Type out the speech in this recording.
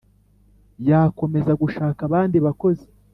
yakomeza gushaka abandi bakozi